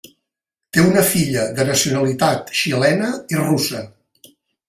Té una filla de nacionalitat xilena i russa.